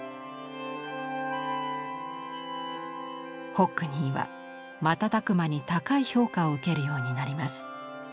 ホックニーは瞬く間に高い評価を受けるようになります。